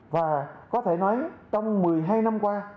và có thể nói trong một mươi hai năm qua